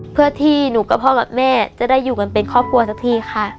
เพื่อที่หนูกับพ่อกับแม่จะได้อยู่กันเป็นครอบครัวสักทีค่ะ